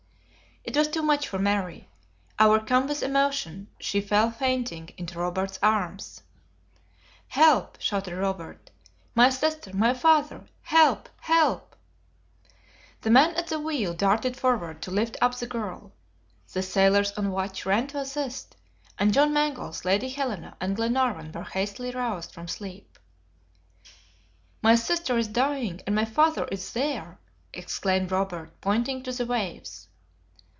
It was too much for Mary. Overcome with emotion, she fell fainting into Robert's arms. "Help!" shouted Robert. "My sister! my father! Help! Help!" The man at the wheel darted forward to lift up the girl. The sailors on watch ran to assist, and John Mangles, Lady Helena, and Glenarvan were hastily roused from sleep. "My sister is dying, and my father is there!" exclaimed Robert, pointing to the waves.